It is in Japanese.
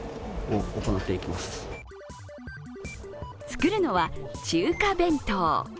作るのは中華弁当。